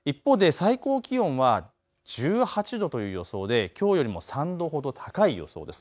一方で最高気温は１８度という予想できょうよりも３度ほど高い予想です。